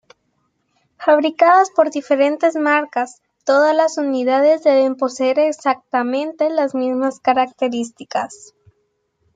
Fabricadas por diferentes marcas, todas las unidades deben poseer exactamente las mismas características.